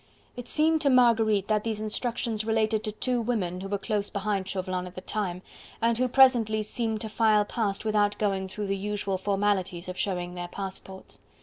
It seemed to Marguerite that these instructions related to two women who were close behind Chauvelin at the time, and who presently seemed to file past without going through the usual formalities of showing their passports.